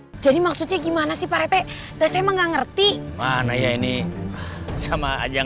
hai jadi maksudnya gimana sih pak rete dan saya nggak ngerti mana ya ini sama aja